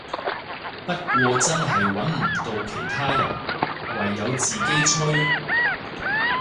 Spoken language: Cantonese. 不過真係穩唔到其他人，唯有自己吹